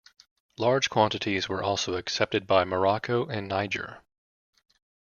Large quantities were also accepted by Morocco and Niger.